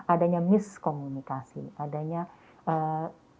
adanya miskomunikasi adanya ketidaksinkronisasi